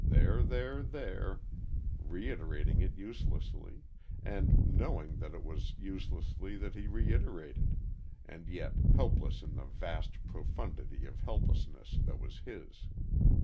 There, there, there!" reiterating it uselessly and knowing that it was uselessly that he reiterated and yet helpless in the vast profundity of helplessness that was his.